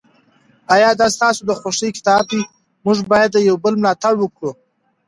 آیا دا ستاسو د خوښې کتاب دی؟ موږ باید د یو بل ملاتړ وکړو.